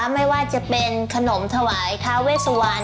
ไม่ว่าจะเป็นขนมถวายทาเวสวัน